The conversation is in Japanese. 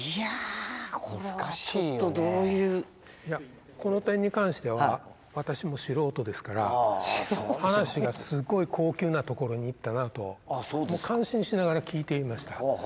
いやこの点に関しては私も素人ですから話がすごい高級なところにいったなと感心しながら聞いていました。